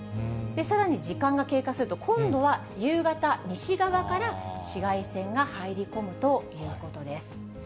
さらに時間が経過すると今度は夕方、西側から紫外線が入り込むということです。